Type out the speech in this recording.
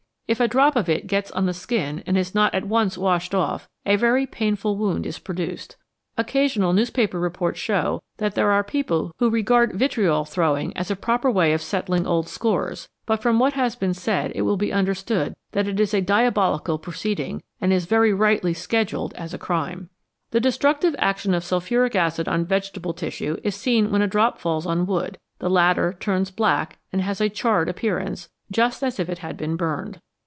If a drop of it gets on the skin and is not at once washed off, a very painful wound is produced. Occasional newspaper reports show that there are people who regard vitriol throwing as a proper way of settling old scores, but from what has been said it will be understood that it is a diabolical pro ceeding, and is very rightly scheduled as a crime. The destructive action of sulphuric acid on vegetable tissue is seen when a drop falls on wood. The latter turns black and has a charred appearance, just as if it had been burned.